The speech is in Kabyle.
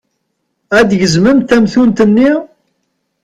Ad d-gezmemt tamtunt-nni?